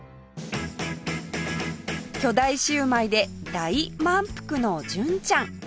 巨大シウマイで大満腹の純ちゃん